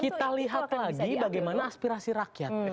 kita lihat lagi bagaimana aspirasi rakyat